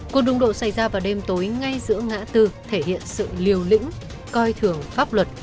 cuộc đụng độ xảy ra vào đêm tối ngay giữa ngã tư thể hiện sự liều lĩnh coi thường pháp luật